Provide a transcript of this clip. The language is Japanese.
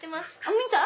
見た？